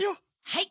はい！